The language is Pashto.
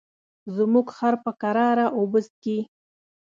زموږ خر په کراره اوبه څښي.